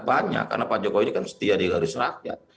banyak karena pak jokowi ini kan setia di garis rakyat